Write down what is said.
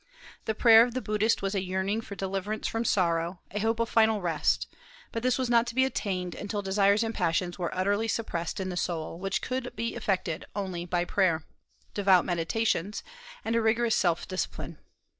The prayer of the Buddhist was a yearning for deliverance from sorrow, a hope of final rest; but this was not to be attained until desires and passions were utterly suppressed in the soul, which could be effected only by prayer, devout meditations, and a rigorous self discipline.